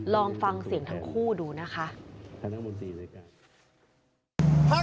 ลองฟังเสียงทั้งคู่ดูนะคะ